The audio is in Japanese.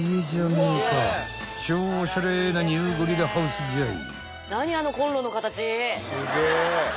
［超おしゃれなニューゴリラハウスじゃい］